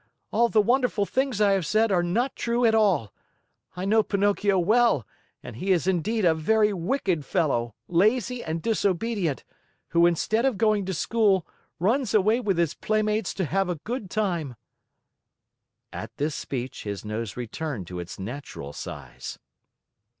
All the wonderful things I have said are not true at all. I know Pinocchio well and he is indeed a very wicked fellow, lazy and disobedient, who instead of going to school, runs away with his playmates to have a good time." At this speech, his nose returned to its natural size.